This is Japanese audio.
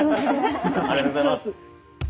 ありがとうございます。